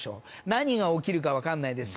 何が起きるかわからないです。